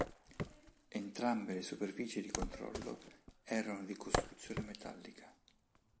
Entrambe le superfici di controllo erano di costruzione metallica.